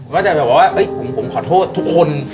ผมจะบอกว่าผมขอโทษทุกคน